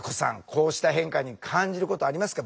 こうした変化に感じることありますか？